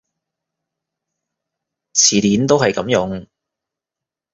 詞典都係噉用